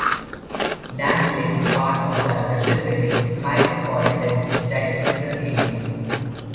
Danville is part of the Russellville Micropolitan Statistical Area.